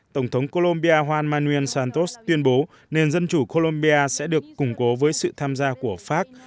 tổng thống colombia hoan manuel santos tuyên bố nền dân chủ colombia sẽ được củng cố với sự tham gia của pháp